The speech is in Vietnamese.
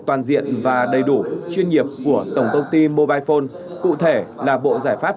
toàn diện và đầy đủ chuyên nghiệp của tổng công ty mobile phone cụ thể là bộ giải pháp